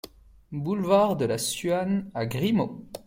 Boulevard de la Suane à Grimaud